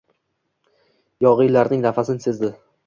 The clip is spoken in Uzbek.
Yog‘iylarning nafasin sezdi.